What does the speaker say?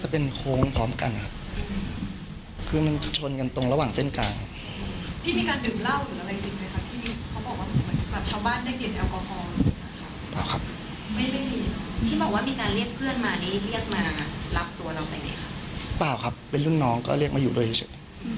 เพิ่งน้องก็เรียกมาอยู่ด้วยเฉย